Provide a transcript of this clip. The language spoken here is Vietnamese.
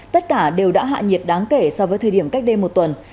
tất cả đều đã hạ nhiệt đáng kể so với thời điểm cách đây một tuần